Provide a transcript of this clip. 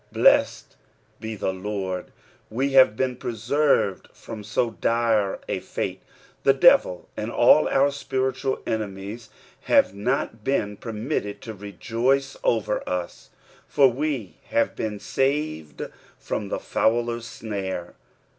BlesSed be the Lord, we have been preserved from so dire a fate. The devil and all our spiritual enemies have not been permitted to rejoice over ua ; for we have been saved from the fowler's snare.